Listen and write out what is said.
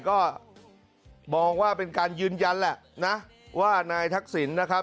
ก็มองว่าเป็นการยืนยันแหละนะว่านายทักษิณนะครับ